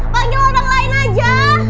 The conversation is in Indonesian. panggil orang lain aja